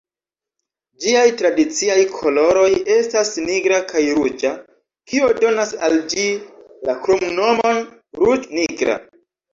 Ĝiaj tradiciaj koloroj estas nigra kaj ruĝa, kio donas al ĝi la kromnomon "ruĝ-nigra".